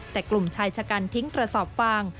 แต่กลุ่มชายชะกันทิ้งกระสอบฟาง